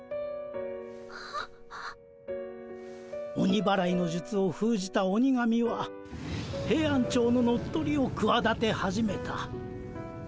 鬼祓いのじゅつをふうじた鬼神はヘイアンチョウの乗っ取りをくわだて始めた。